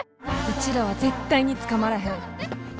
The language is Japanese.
うちらは絶対に捕まらへん。